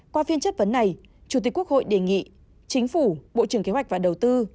qua phiên chất vấn này chủ tịch quốc hội đề nghị chính phủ bộ trưởng kế hoạch và đầu tư